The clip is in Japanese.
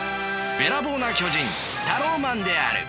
べらぼうな巨人タローマンである。